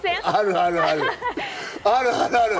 あるある！